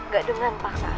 gak dengan paksaan